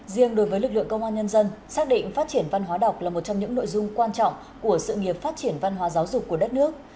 riêng đối với lực lượng công an nhân dân xác định phát triển văn hóa đọc là một trong những nội dung quan trọng của sự nghiệp phát triển văn hóa giáo dục của đất nước